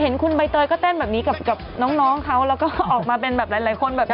เห็นคุณบ่ายเตยก็เต้นแบบนี้กับน้องเราก็ออกมาเป็นแบบหลายคน